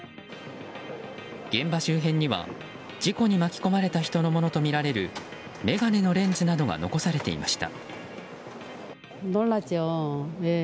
現場周辺には事故に巻き込まれた人のものとみられる眼鏡のレンズなどが残されていました。